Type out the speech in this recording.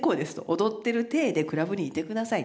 「踊ってる体でクラブにいてください」と。